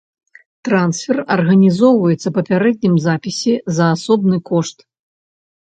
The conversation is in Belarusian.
Трансфер арганізоўваецца па папярэднім запісе за асобны кошт.